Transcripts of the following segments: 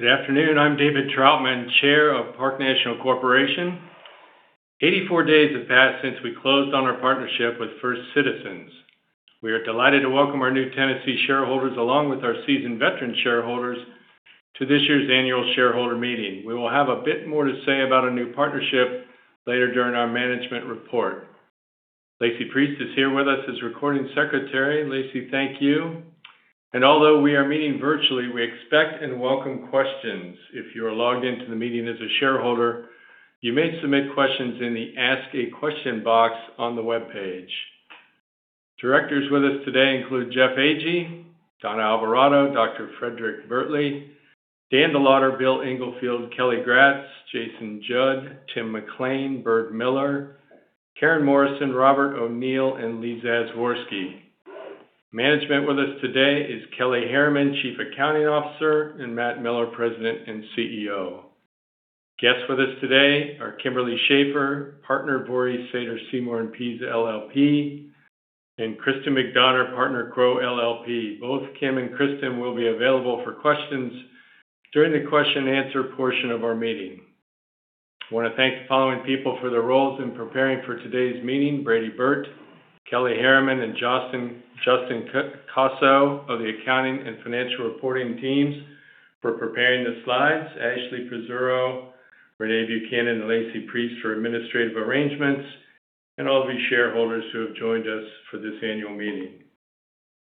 Good afternoon. I'm David Trautman, Chair of Park National Corporation. 84 days have passed since we closed on our partnership with First Citizens. We are delighted to welcome our new Tennessee shareholders, along with our seasoned veteran shareholders to this year's annual shareholder meeting. We will have a bit more to say about our new partnership later during our management report. Lacey Priest is here with us as recording secretary. Lacey, thank you. Although we are meeting virtually, we expect and welcome questions. If you are logged into the meeting as a shareholder, you may submit questions in the Ask a Question box on the webpage. Directors with us today include Jeff Agee, Donna Alvarado, Dr. Frederic Bertley, Dan DeLawder, Bill Englefield, Kelly Gratz, Jason Judd, Tim McLain, Byrd Miller, Karen Morrison, Robert O'Neill, and Leon Zazworsky. Management with us today is Kelly Herreman, Chief Accounting Officer, and Matt Miller, President and CEO. Guests with us today are Kimberly Schaefer, Partner, Vorys, Sater, Seymour and Pease LLP, and Kristin McDonner, Partner, Crowe LLP. Both Kim and Kristen will be available for questions during the question and answer portion of our meeting. I wanna thank the following people for their roles in preparing for today's meeting. Brady Burt, Kelly Herreman, and Justin Cocozzo of the accounting and financial reporting teams for preparing the slides. Ashley Pizzurro, Renee Buchanan, and Lacey Priest for administrative arrangements, and all of you shareholders who have joined us for this annual meeting.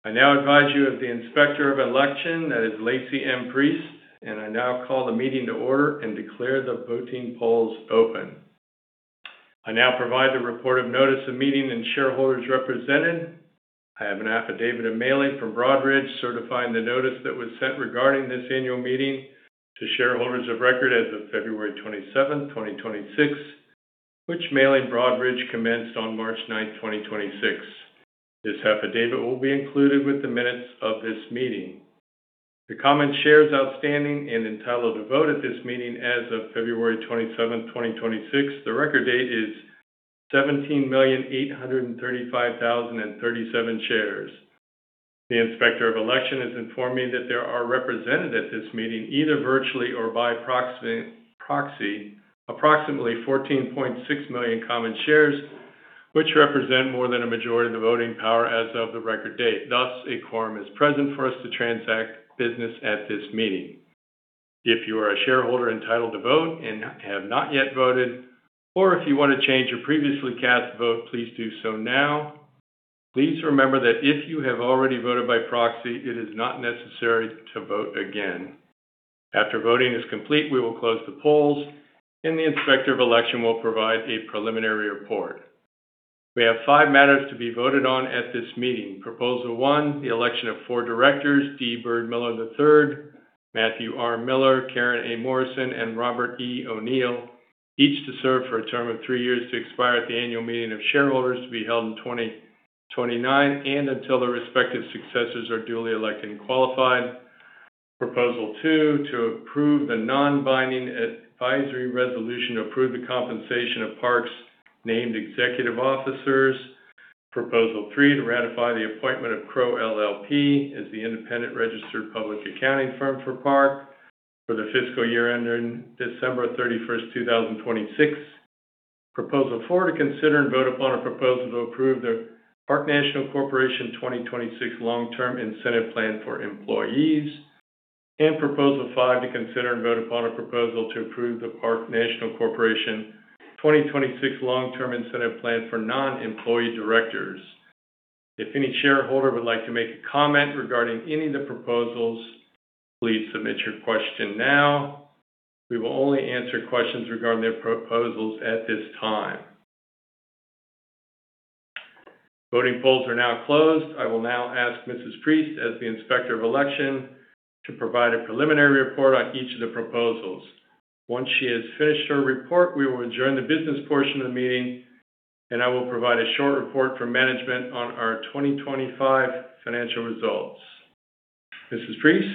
I now advise you of the Inspector of Election, that is Lacey M. Priest, and I now call the meeting to order and declare the voting polls open. I now provide the report of notice of meeting and shareholders represented. I have an affidavit of mailing from Broadridge certifying the notice that was sent regarding this annual meeting to shareholders of record as of February 27, 2026, which mailing Broadridge commenced on March 9, 2026. This affidavit will be included with the minutes of this meeting. The common shares outstanding and entitled to vote at this meeting as of February 27, 2026, the record date is 17,835,037 shares. The Inspector of Election has informed me that there are represented at this meeting, either virtually or by proxy, approximately 14.6 million common shares, which represent more than a majority of the voting power as of the record date. Thus, a quorum is present for us to transact business at this meeting. If you are a shareholder entitled to vote and have not yet voted, or if you want to change your previously cast vote, please do so now. Please remember that if you have already voted by proxy, it is not necessary to vote again. After voting is complete, we will close the polls, and the Inspector of Election will provide a preliminary report. We have five matters to be voted on at this meeting. Proposal one, the election of four directors, D. Byrd Miller III, Matthew R. Miller, Karen A. Morrison, and Robert E. O'Neill, each to serve for a term of three years to expire at the annual meeting of shareholders to be held in 2029 and until their respective successors are duly elected and qualified. Proposal two, to approve the non-binding advisory resolution to approve the compensation of Park's named executive officers. Proposal three, to ratify the appointment of Crowe LLP as the independent registered public accounting firm for Park for the fiscal year ending December 31, 2026. Proposal four, to consider and vote upon a proposal to approve the Park National Corporation 2026 Long-Term Incentive Plan for employees. Proposal five, to consider and vote upon a proposal to approve the Park National Corporation 2026 Long-Term Incentive Plan for non-employee directors. If any shareholder would like to make a comment regarding any of the proposals, please submit your question now. We will only answer questions regarding the proposals at this time. Voting polls are now closed. I will now ask Mrs. Priest, as the Inspector of Election, to provide a preliminary report on each of the proposals. Once she has finished her report, we will adjourn the business portion of the meeting, and I will provide a short report for management on our 2025 financial results. Mrs. Priest.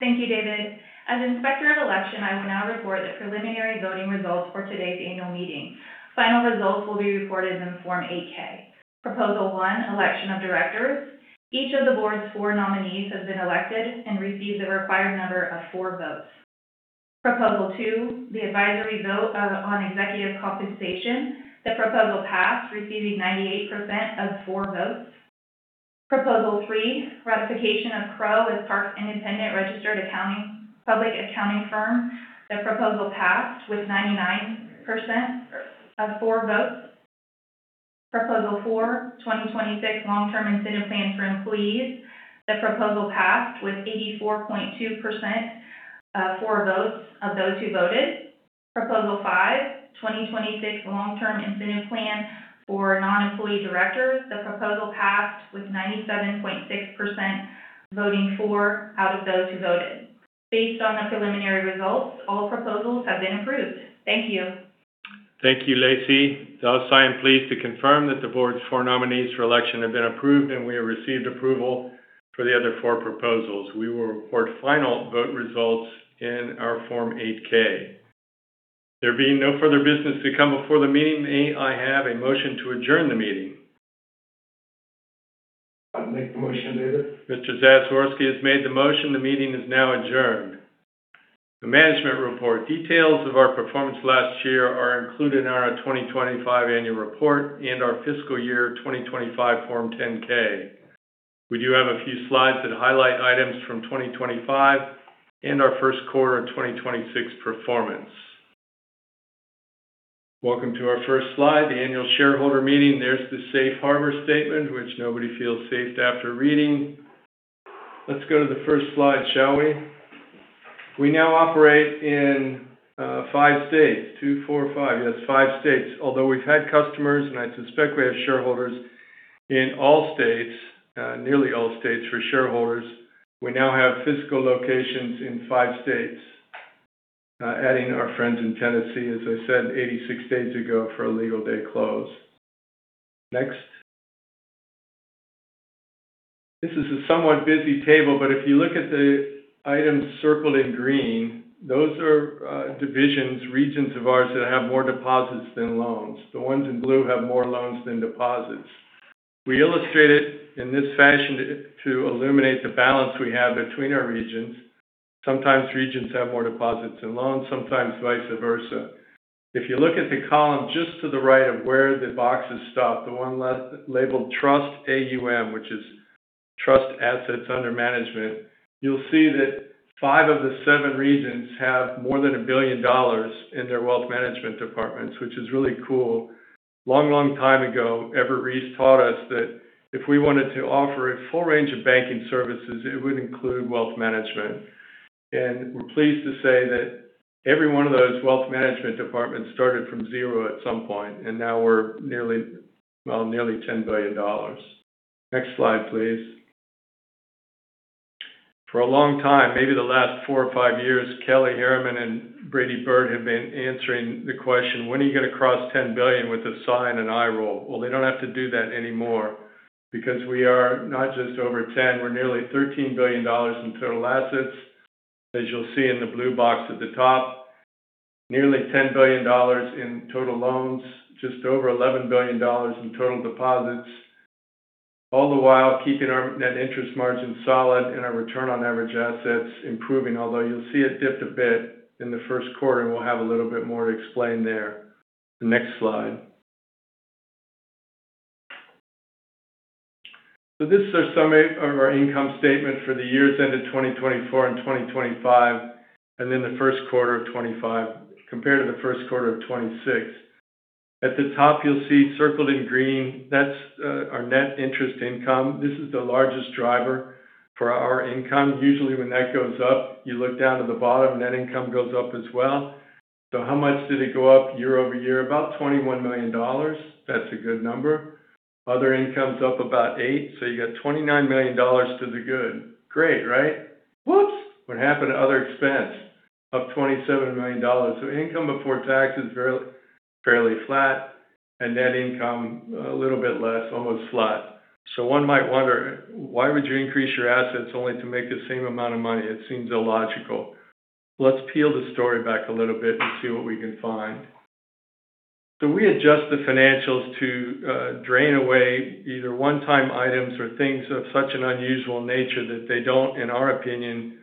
Thank you, David. As Inspector of Election, I will now report the preliminary voting results for today's annual meeting. Final results will be reported in Form 8-K. Proposal one, election of directors. Each of the board's four nominees has been elected and received the required number of for votes. Proposal two, the advisory vote on executive compensation. The proposal passed, receiving 98% of for votes. Proposal three, ratification of Crowe as Park's independent public accounting firm. The proposal passed with 99% of for votes. Proposal four, 2026 long-term incentive plan for employees. The proposal passed with 84.2% for votes of those who voted. Proposal five, 2026 long-term incentive plan for non-employee directors. The proposal passed with 97.6% voting for out of those who voted. Based on the preliminary results, all proposals have been approved. Thank you. Thank you, Lacey. Thus, I am pleased to confirm that the board's four nominees for election have been approved, and we have received approval for the other four proposals. We will report final vote results in our Form 8-K. There being no further business to come before the meeting, may I have a motion to adjourn the meeting? I make the motion, David. Mr. Zazworsky has made the motion. The meeting is now adjourned. The management report details of our performance last year are included in our 2025 annual report and our fiscal year 2025 Form 10-K. We do have a few slides that highlight items from 2025 and our first quarter of 2026 performance. Welcome to our first slide, the annual shareholder meeting. There's the safe harbor statement, which nobody feels safe after reading. Let's go to the first slide, shall we? We now operate in five states. Two, four, five. Yes, five states. Although we've had customers, and I suspect we have shareholders in all states, nearly all states for shareholders, we now have physical locations in five states. Adding our friends in Tennessee, as I said, 86 days ago for a legal day close. Next. This is a somewhat busy table, but if you look at the items circled in green, those are divisions, regions of ours that have more deposits than loans. The ones in blue have more loans than deposits. We illustrate it in this fashion to illuminate the balance we have between our regions. Sometimes regions have more deposits than loans, sometimes vice versa. If you look at the column just to the right of where the boxes stop, the one labeled Trust AUM, which is Trust Assets Under Management, you'll see that five of the seven regions have more than $1 billion in their wealth management departments, which is really cool. Long, long time ago, Everett Reese taught us that if we wanted to offer a full range of banking services, it would include wealth management. We're pleased to say that every one of those wealth management departments started from zero at some point, and now we're nearly, well, nearly $10 billion. Next slide, please. For a long time, maybe the last four or five years, Kelly Herreman and Brady Burt have been answering the question, "When are you going to cross $10 billion?" With a sigh and an eye roll. Well, they don't have to do that anymore because we are not just over 10, we're nearly $13 billion in total assets. As you'll see in the blue box at the top, nearly $10 billion in total loans, just over $11 billion in total deposits, all the while keeping our Net Interest Margin solid and our Return on Average Assets improving. Although you'll see it dipped a bit in the first quarter, and we'll have a little bit more to explain there. The next slide. This is a summary of our income statement for the years ended 2024 and 2025, and then the first quarter of 2025 compared to the first quarter of 2026. At the top, you'll see circled in green, that's our Net Interest Income. This is the largest driver for our income. Usually when that goes up, you look down to the bottom, net income goes up as well. How much did it go up year-over-year? About $21 million. That's a good number. Other income's up about eight. You got $29 million to the good. Great, right? Whoops. What happened to other expense? Up $27 million. Income before tax is fairly flat, and net income a little bit less, almost flat. One might wonder, why would you increase your assets only to make the same amount of money? It seems illogical. Let's peel the story back a little bit and see what we can find. We adjust the financials to drain away either one-time items or things of such an unusual nature that they don't, in our opinion,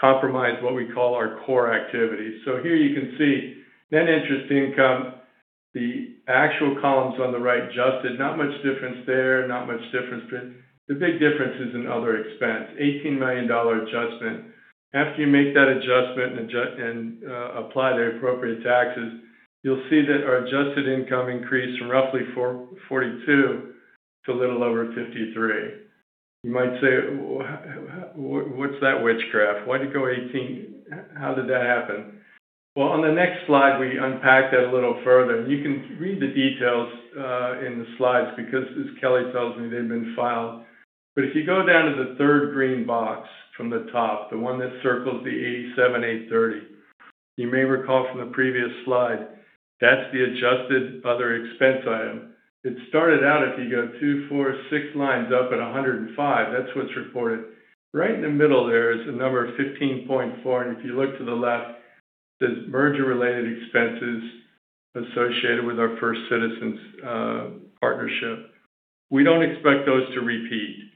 compromise what we call our core activities. Here you can see net interest income, the actual columns on the right, adjusted. Not much difference there. The big difference is in other expense. $18 million adjustment. After you make that adjustment and apply the appropriate taxes, you'll see that our adjusted income increased from roughly 42 to a little over 53. You might say, "What's that witchcraft? Why'd it go eighteen? How did that happen?" Well, on the next slide, we unpack that a little further. You can read the details in the slides because as Kelly tells me, they've been filed. But if you go down to the third green box from the top, the one that circles the 87, 830, you may recall from the previous slide, that's the adjusted other expense item. It started out, if you go two, four, six lines up at $105, that's what's reported. Right in the middle there is a number of $15.4, and if you look to the left, it says Merger-Related Expenses associated with our First Citizens partnership. We don't expect those to repeat.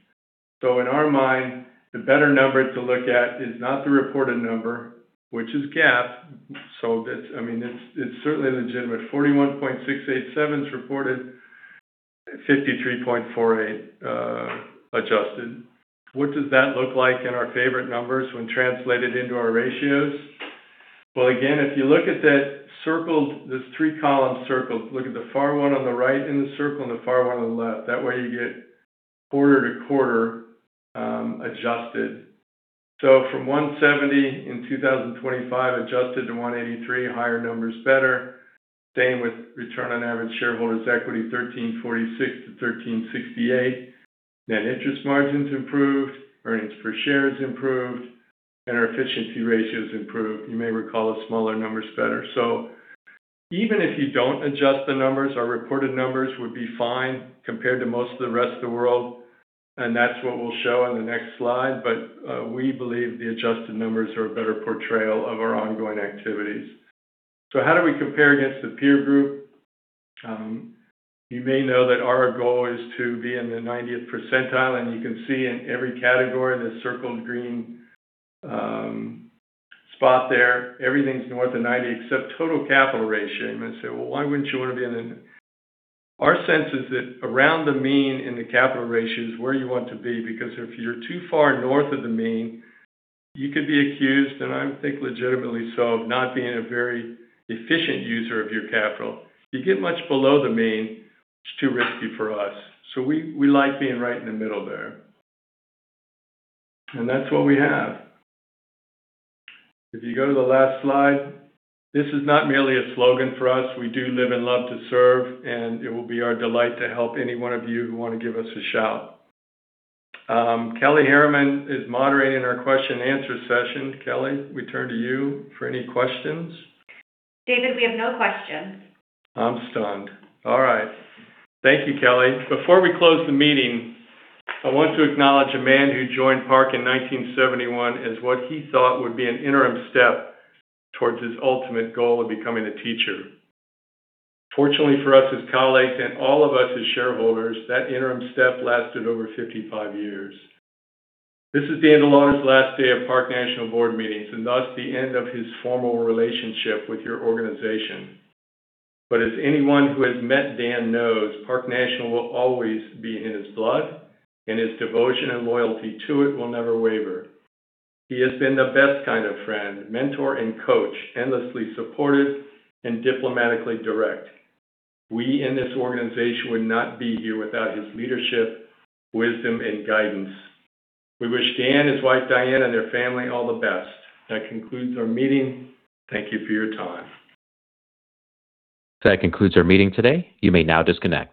In our mind, the better number to look at is not the reported number, which is GAAP. That's, I mean, it's certainly legitimate. 41.687% is reported. 53.48%, adjusted. What does that look like in our favorite numbers when translated into our ratios? Well, again, if you look at that circle, those three columns circled, look at the far one on the right in the circle and the far one on the left. That way, you get quarter-over-quarter adjusted. From 1.70 in 2025 adjusted to 1.83, higher number is better. Same with Return on Average Shareholders' Equity, 13.46%-13.68%. Net Interest Margin improved, earnings per share improved, and our Efficiency Ratio improved. You may recall the smaller number's better. Even if you don't adjust the numbers, our reported numbers would be fine compared to most of the rest of the world. That's what we'll show on the next slide. We believe the adjusted numbers are a better portrayal of our ongoing activities. How do we compare against the peer group? You may know that our goal is to be in the 90th percentile. You can see in every category, the circled green spot there. Everything's north of 90 except Total Capital Ratio. You may say, "Well, why wouldn't you want to be in the" Our sense is that around the mean in the capital ratio is where you want to be, because if you're too far north of the mean, you could be accused, and I think legitimately so, of not being a very efficient user of your capital. If you get much below the mean, it's too risky for us. We like being right in the middle there. That's what we have. If you go to the last slide, this is not merely a slogan for us. We do live and love to serve, and it will be our delight to help any one of you who wanna give us a shout. Kelly Herreman is moderating our question and answer session. Kelly, we turn to you for any questions. David, we have no questions. I'm stunned. All right. Thank you, Kelly. Before we close the meeting, I want to acknowledge a man who joined Park in 1971 as what he thought would be an interim step towards his ultimate goal of becoming a teacher. Fortunately for us as colleagues and all of us as shareholders, that interim step lasted over 55 years. This is Dan DeLawder's last day of Park National board meetings, and thus the end of his formal relationship with your organization. As anyone who has met Dan knows, Park National will always be in his blood, and his devotion and loyalty to it will never waver. He has been the best kind of friend, mentor, and coach, endlessly supportive and diplomatically direct. We in this organization would not be here without his leadership, wisdom, and guidance. We wish Dan, his wife Diane, and their family all the best. That concludes our meeting. Thank you for your time. That concludes our meeting today. You may now disconnect.